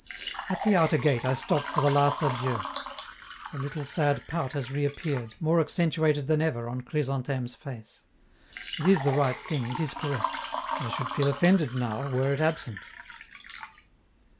At the outer gate I stop for the last adieu: the little sad pout has reappeared, more accentuated than ever, on Chrysantheme's face; it is the right thing, it is correct, and I should feel offended now were it absent.